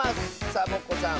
サボ子さん